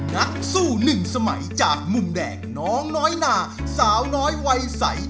นักสู้หนึ่งสมัยจากมุมแดงน้องน้อยนาสาวน้อยวัยใส